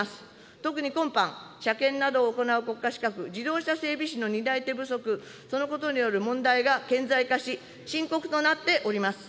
特に今般、車検などを行う国家資格、自動車整備士の担い手不足、そのことによる問題が顕在化し、深刻となっております。